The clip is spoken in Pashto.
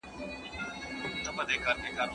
بې گودره مه گډېږه!